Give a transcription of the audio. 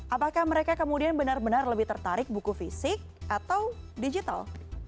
apakah mereka kemudian benar benar lebih tertarik buku fisik atau digital